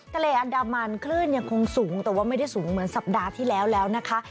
ทะเลอันดามันคลื่นยังคงสูงแต่ว่าไม่ได้สูงเหมือนสัปดาห์ที่แล้วแล้วนะคะ